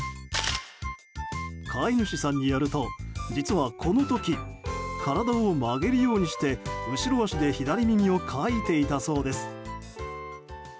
飼い主さんによると、実はこの時体を曲げるようにして後ろ脚で左耳をかいていたそうです。